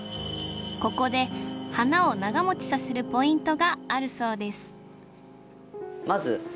ここで花を長もちさせるポイントがあるそうです